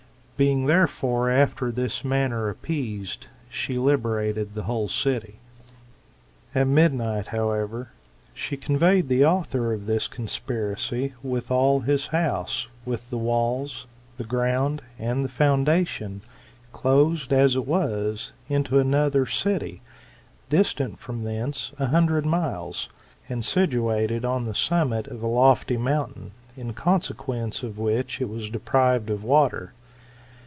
Being, therefore, after this manner appeased, she liberated the whole city. "At midnight, however, she conveyed the author of this conspiracy, with all his house, viz. with the walls, the ground, and th^ foundation, closed as it was, into another city, distant from thence a hundred miles, and situated on the summit of a lofty mountain, in consequence of which it was deprived of water.